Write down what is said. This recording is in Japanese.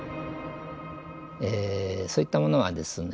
そういったものはですね